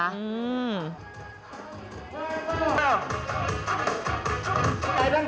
ใส่ด้านข้าง